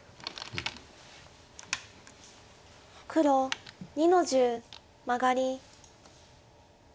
黒２の十マガリ。